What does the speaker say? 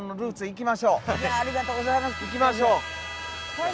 行きましょう。